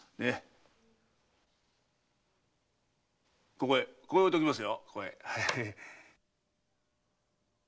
ここへここへ置いときますよ。